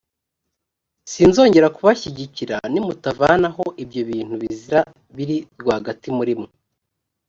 sinzongera kubashyigikira, nimutavanaho ibyo bintu bizira biri rwagati muri mwe.